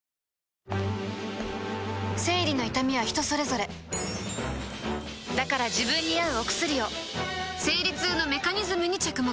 生理の痛みは人それぞれだから自分に合うお薬を生理痛のメカニズムに着目